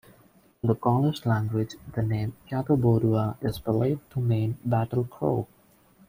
In the Gaulish language, the name Cathubodua is believed to mean "battle-crow".